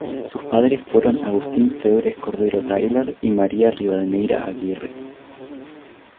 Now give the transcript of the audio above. Sus padres fueron Agustín Febres Cordero Tyler y María Rivadeneira Aguirre.